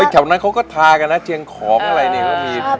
แถวนั้นเขาก็ทากันนะเชียงของอะไรเนี่ยก็มี